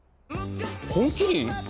「本麒麟」